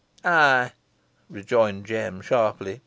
"Eigh," rejoined Jem, sharply.